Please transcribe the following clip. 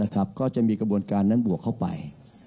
ก็จะมีกระบวนการนั้นบวกเข้าไป